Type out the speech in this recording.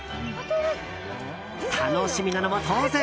楽しみなのも当然。